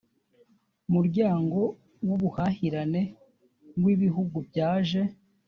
muryango w ubuhahirane bw ibihugu byaje